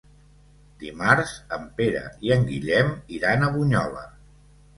Dimarts en Pere i en Guillem iran a Bunyola.